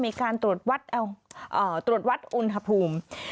มีการตรวจวัดอุณหภูมิ